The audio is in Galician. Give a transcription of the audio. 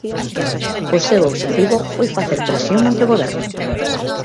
O seu obxectivo foi facer presión ante o Goberno.